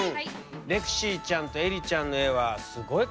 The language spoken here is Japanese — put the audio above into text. レクシーちゃんとえりちゃんの絵はすこいカラフルだね。